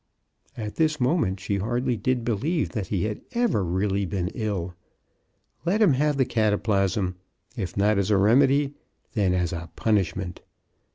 At this moment she hardly did believe that he had ever really been ill. Let him have the cataplasm ; if not as a remedy, then as a punishment.